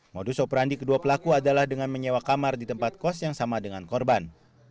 modus operandi kedua pelaku adalah dengan menyewa kamar di tempat kos yang sama dengan korban